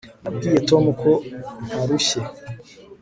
nabwiye tom ko ntarushye